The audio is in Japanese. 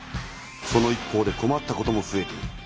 その一方で困ったこともふえている。